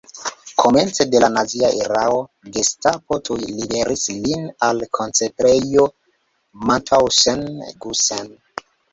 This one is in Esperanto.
Komence de la nazia erao Gestapo tuj liveris lin al Koncentrejo Mauthausen-Gusen.